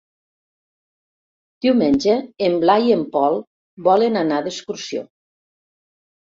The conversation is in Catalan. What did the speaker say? Diumenge en Blai i en Pol volen anar d'excursió.